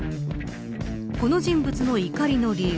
この人物の怒りの理由。